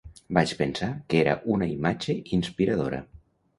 Vaig pensar que era una imatge inspiradora.